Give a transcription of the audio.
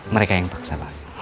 mereka yang paksa